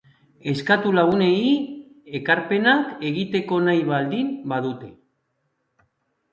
Eskatu lagunei ekarpenak egiteko nahi baldin badute.